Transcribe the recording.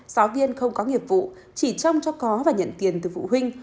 giáo viên không có nghiệp vụ chỉ trông cho có và nhận tiền từ phụ huynh